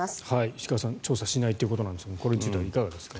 石川さん調査しないということですがこれについてはいかがですか。